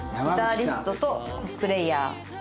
ギタリストとコスプレイヤー。